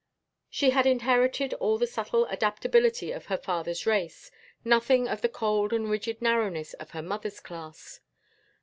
She had inherited all the subtle adaptability of her father's race, nothing of the cold and rigid narrowness of her mother's class.